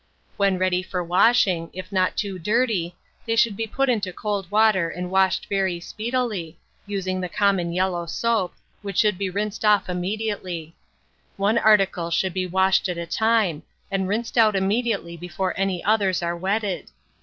When ready for washing, if not too dirty, they should be put into cold water and washed very speedily, using the common yellow soap, which should be rinsed off immediately. One article should be washed at a time, and rinsed out immediately before any others are wetted.